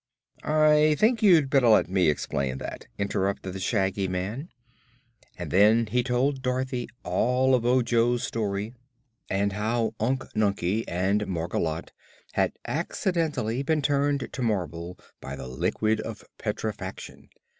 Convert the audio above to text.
"I think you'd better let me explain that," interrupted the Shaggy Man, and then he told Dorothy all of Ojo's story and how Unc Nunkie and Margolotte had accidentally been turned to marble by the Liquid of Petrifaction.